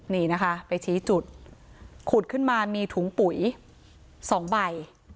นี่นะคะไปชี้จุดขุดขึ้นมามีถุงปุ๋ย๒ใบ